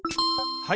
はい。